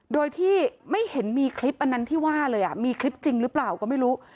โดยที่ไม่เห็นมีคลิปอันนั้นที่ว่าเลยมีคลิปจริงหรือเปล่าก็ไม่รู้